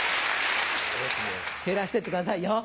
減らしてってくださいよ。